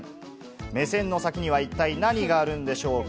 目線の先には一体何があるんでしょうか？